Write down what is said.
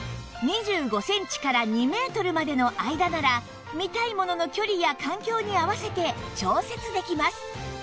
２５センチから２メートルまでの間なら見たいものの距離や環境に合わせて調節できます